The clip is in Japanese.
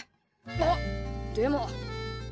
あっでも。